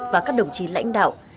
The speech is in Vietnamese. và các đồng chí lãnh đạo